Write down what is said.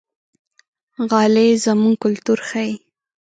غالۍ زموږ کلتور ښيي.